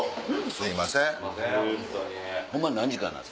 すいません。